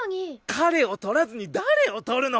彼を採らずに誰を採るの！